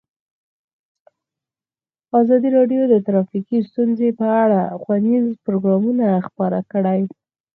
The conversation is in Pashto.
ازادي راډیو د ټرافیکي ستونزې په اړه ښوونیز پروګرامونه خپاره کړي.